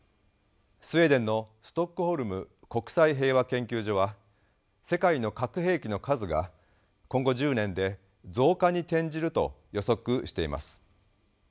スウェーデンのストックホルム国際平和研究所は世界の核兵器の数が今後１０年で増加に転じると予測しています。